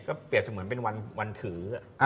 ก็เปรียบเสมือนเป็นวันถือ